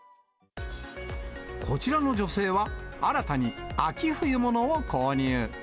こちらの女性は、新たに秋冬物を購入。